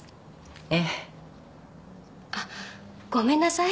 ええ。あっごめんなさい。